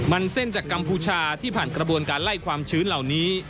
มันเส้นจากกัมพูชาที่ผ่านกระบวนการไล่ความชื้นเหล่านี้